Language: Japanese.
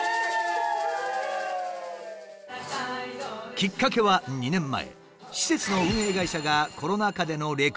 きっかけは２年前。